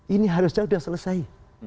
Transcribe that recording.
ini harusnya sudah selesai